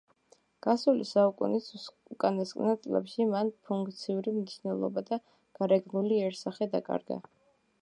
გასული საუკუნის უკანასკნელ წლებში მან ფუნქციური მნიშვნელობა და გარეგნული იერსახე დაკარგა.